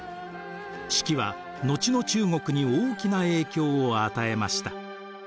「史記」は後の中国に大きな影響を与えました。